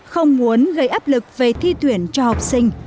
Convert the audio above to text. không muốn gây áp lực về thi tuyển cho học sinh